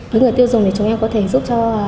với người tiêu dùng thì chúng em có thể giúp cho